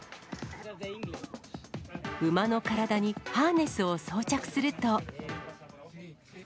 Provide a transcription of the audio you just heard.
馬の体にハーネスを装着すると。